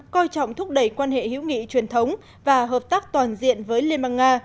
coi trọng thúc đẩy quan hệ hữu nghị truyền thống và hợp tác toàn diện với liên bang nga